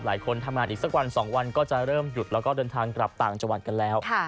หลายคนทำงานอีกสักวัน๒วันก็จะเริ่มหยุดแล้วก็เดินทางกลับต่างจังหวัดกันแล้ว